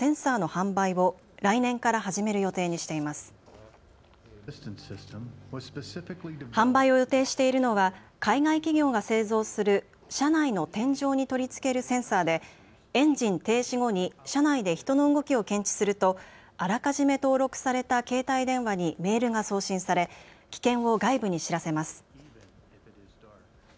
販売を予定しているのは海外企業が製造する車内の天井に取り付けるセンサーでエンジン停止後に車内で人の動きを検知するとあらかじめ登録された携帯電話にメールが送信され危険を外部に知らせます。